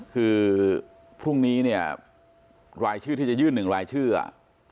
คือพรุ่งนี้เนี่ยรายชื่อที่จะยื่นหนึ่งรายชื่ออ่ะ